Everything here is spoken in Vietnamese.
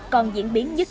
còn diễn biến nhất